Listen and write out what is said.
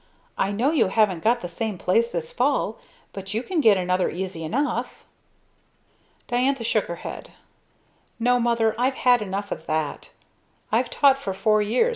"I know you haven't got the same place this fall but you can get another easy enough." Diantha shook her head. "No, Mother, I've had enough of that. I've taught for four years.